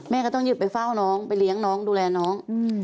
ก็ต้องหยุดไปเฝ้าน้องไปเลี้ยงน้องดูแลน้อง